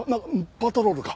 パトロールか？